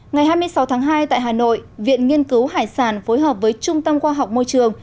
ngày hai mươi sáu tháng hai tại hà nội viện nghiên cứu hải sản phối hợp với trung tâm khoa học môi trường